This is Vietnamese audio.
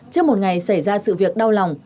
lúc này xảy ra sự việc đau lòng